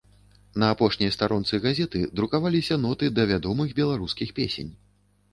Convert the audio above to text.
На апошняй старонцы газеты друкаваліся ноты да вядомых беларускіх песень.